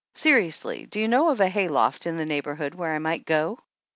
"Seriously, do you know of a hayloft in the neighborhood where I might go?"